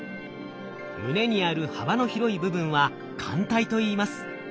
胸にある幅の広い部分は環帯といいます。